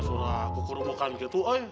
suara kukurupukan gitu ya